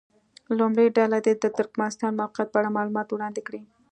لومړۍ ډله دې د ترکمنستان موقعیت په اړه معلومات وړاندې کړي.